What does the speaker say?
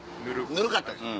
ぬるかったんです。